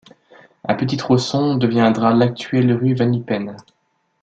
Un petit tronçon deviendra l’actuelle rue Vannypen.